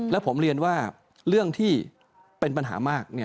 และผมเรียนว่าเรื่องที่เป็นปัญหามาก